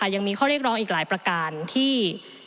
ยังมีข้อเรียกร้องอีกหลายประการที่